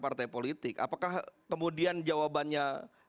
partai politik apakah kemudian jawabannya